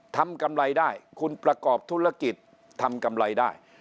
กำไรได้คุณประกอบธุรกิจทำกำไรได้